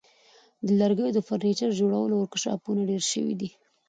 د لرګیو د فرنیچر جوړولو ورکشاپونه ډیر شوي دي.